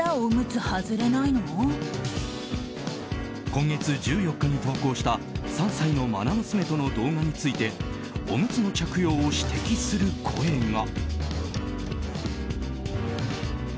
今月１４日に投稿した３歳の愛娘との動画についておむつの着用を指摘する声が。